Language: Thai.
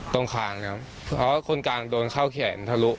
ตรงข้างครับเพราะคนกลางโดนเข้าเข็นทะลุ